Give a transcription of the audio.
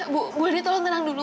bu bu lidya tolong tenang dulu